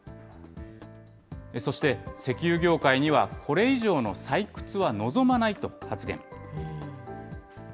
そして石油業界にはこれ以上の採掘は望まないと発言。